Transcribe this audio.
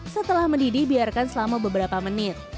setelah mendidih biarkan selama beberapa menit